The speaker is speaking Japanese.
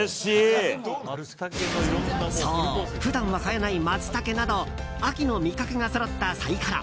そう普段は買えないマツタケなど秋の味覚がそろったサイコロ。